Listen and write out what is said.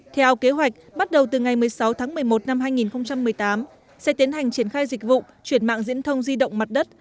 theo kế hoạch bắt đầu từ ngày một mươi sáu tháng một mươi một năm hai nghìn một mươi tám sẽ tiến hành triển khai dịch vụ chuyển mạng diễn thông di động mặt đất